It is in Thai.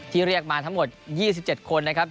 เรียกมาทั้งหมด๒๗คนนะครับ